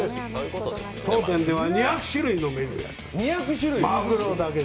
当店では２００種類のメニューマグロだけで。